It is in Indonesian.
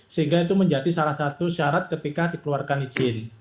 sehingga itu menjadi salah satu syarat ketika dikeluarkan izin